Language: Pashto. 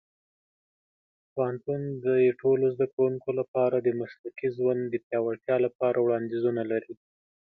پوهنتون د ټولو زده کوونکو لپاره د مسلکي ژوند د پیاوړتیا لپاره وړاندیزونه لري.